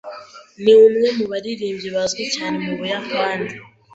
Ni umwe mu baririmbyi bazwi cyane mu Buyapani.